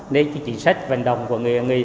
nên chính sách vận động